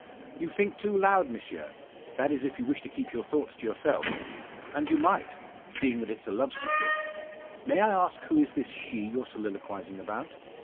"You think too loud, Monsieur that is if you wish to keep your thoughts to yourself. And you might seeing that it's a love secret! May I ask who is this she you're soliloquising about?